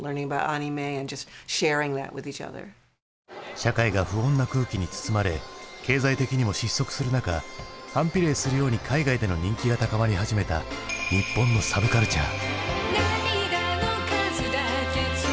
社会が不穏な空気に包まれ経済的にも失速する中反比例するように海外での人気が高まり始めた日本のサブカルチャー。